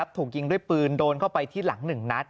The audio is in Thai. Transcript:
ถูกยิงด้วยปืนโดนเข้าไปที่หลัง๑นัด